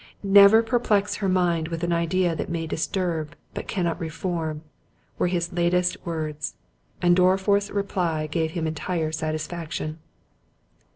"Never perplex her mind with an idea that may disturb, but cannot reform"—were his latest words; and Dorriforth's reply gave him entire satisfaction.